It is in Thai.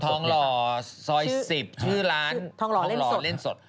หล่อซอย๑๐ชื่อร้านทองหล่อเล่นสด